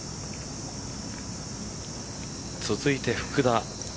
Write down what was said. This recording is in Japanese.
続いて福田。